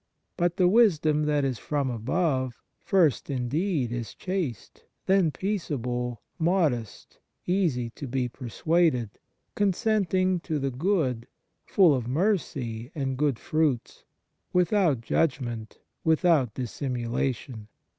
But the wisdom that is from above first indeed is chaste, then peaceable, modest, easy to be persuaded, consenting to the good, full of mercy and good fruits, with out judgment, without dissimulation.